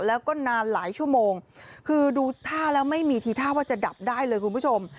แล้วก็นานหลายชั่วโมงคือดูท่าแล้วไม่มีทีท่าว่าจะดับได้เลยคุณผู้ชม